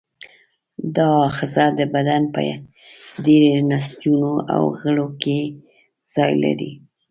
دا آخذه د بدن په ډېری نسجونو او غړو کې ځای لري.